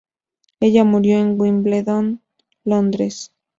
Ella murió en Wimbledon, Londres.